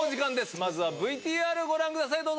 まずはＶＴＲご覧ください、どうぞ。